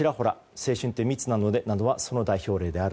「青春って、すごく密なので」はその代表例である。